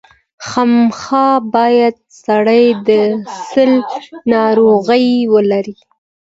خامخا باید سړی د سِل ناروغي ولري.